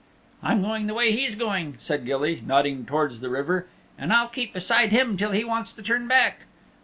"I'm going the way he's going," said Gilly, nodding towards the river, "and I'll keep beside him till he wants to turn back."